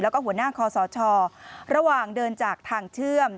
แล้วก็หัวหน้าคอสชระหว่างเดินจากทางเชื่อม